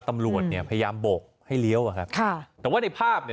ตำรวจเนี่ยพยายามโบกให้เลี้ยวอ่ะครับค่ะแต่ว่าในภาพเนี่ย